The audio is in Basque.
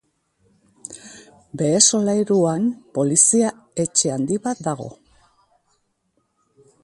Behe solairuan polizia etxe handi bat dago.